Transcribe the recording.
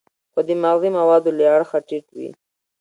خو د مغذي موادو له اړخه ټیټ وي.